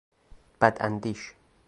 بد اندیش